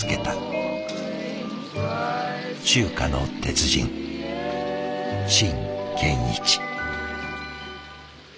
中華の鉄人陳建一。